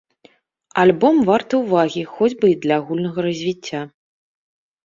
Альбом варты ўвагі, хоць бы і для агульнага развіцця.